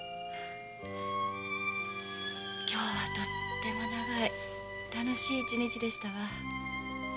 今日はとっても長い楽しい一日でしたわ。